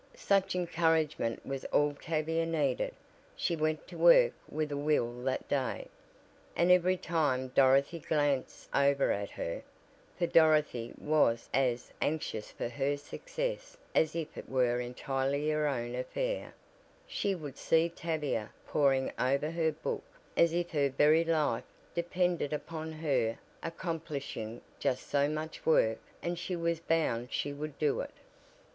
Such encouragement was all Tavia needed. She went to work with a will that day, and every time Dorothy glanced over at her (for Dorothy was as anxious for her success as if it were entirely her own affair) she would see Tavia "poring" over her book as if her very life depended upon her accomplishing just so much work and she was bound she would do it.